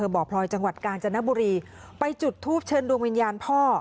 บ่อพลอยจังหวัดกาญจนบุรีไปจุดทูปเชิญดวงวิญญาณพ่อ